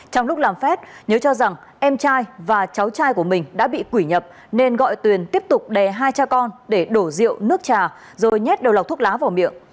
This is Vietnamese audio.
trong lúc làm phép nhớ cho rằng em trai và cháu trai của mình đã bị quỷ nhập nên gọi tuyền tiếp tục đè hai cha con để đổ rượu nước trà rồi nhét đầu lọc thuốc lá vào miệng